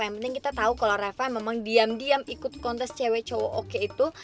yang penting kita tahu kalau reva memang diam diam ikut kontes cewek cewek oke itu